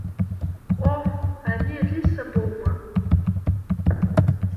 Ҟоҳ, ари Алиса боума?